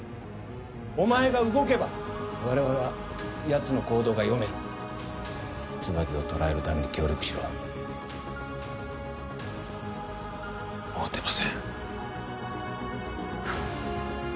お前が動けば我々はやつの行動が読める椿を捕らえるために協力しろもう出ません